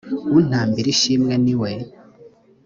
untambira ishimwe ni we